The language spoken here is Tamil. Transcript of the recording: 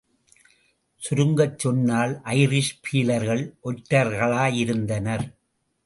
சுருங்கச் சொன்னால் ஐரிஷ் பீலர்கள் ஒற்றர்களாயிருந்தனர்.